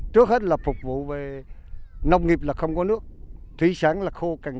trước hết là phục vụ về nông nghiệp là không có nước thủy sản là khô cạn